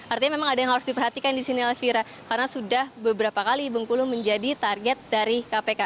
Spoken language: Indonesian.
artinya memang ada yang harus diperhatikan di sini elvira karena sudah beberapa kali bengkulu menjadi target dari kpk